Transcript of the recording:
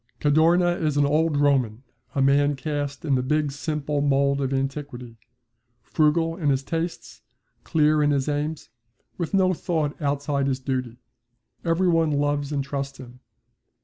Cadorna is an old Roman, a man cast in the big simple mould of antiquity, frugal in his tastes, clear in his aims, with no thought outside his duty. Every one loves and trusts him.